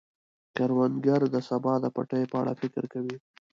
کروندګر د سبا د پټیو په اړه فکر کوي